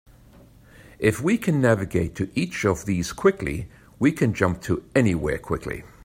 If we can navigate to each of these quickly, we can jump to anywhere quickly.